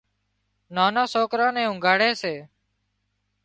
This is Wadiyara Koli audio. نانان سوڪران نين اونگھاڙي سي